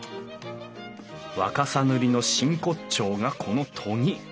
若狭塗の真骨頂がこの研ぎ。